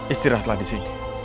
istirahatlah di sini